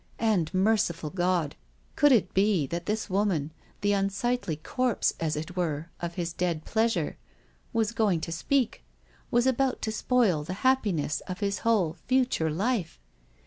And, merciful God ! could it be that this woman — the un sightly corpse, as it were, of his dead pleas ■££.£V* ; w„ about /spoil the happiness of his whole future life